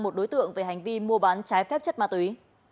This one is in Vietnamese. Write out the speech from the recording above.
một đối tượng về hành vi mua bán trái phép chất ma túy